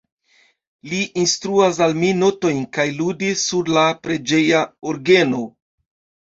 Li instruas al mi notojn kaj ludi sur la preĝeja orgeno.